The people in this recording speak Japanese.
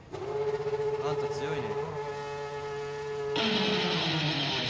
あんた強いね。